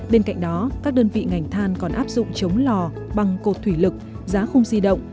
bên cạnh đó các đơn vị ngành than còn áp dụng chống lò bằng cột thủy lực giá khung di động